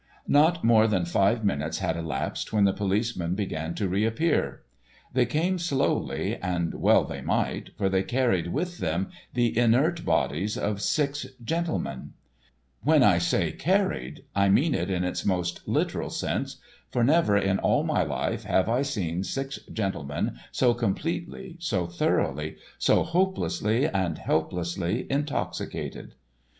Not more than five minutes had elapsed when the policemen began to reappear. They came slowly, and well they might, for they carried with them the inert bodies of six gentlemen. When I say carried I mean it in its most literal sense, for never in all my life have I seen six gentlemen so completely, so thoroughly, so hopelessly and helplessly intoxicated.